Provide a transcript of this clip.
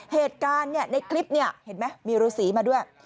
เหตุการณ์ในคลิปเนี่ยเห็นไหมมีรูสีมาด้วย